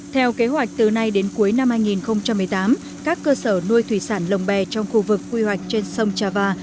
theo kế hoạch từ nay đến cuối năm hai nghìn một mươi tám các cơ sở nuôi thủy sản lồng bè trong khu vực quy hoạch trên sông trà và